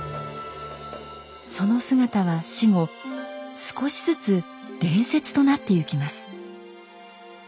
その姿は死後少しずつ伝説となってゆきます。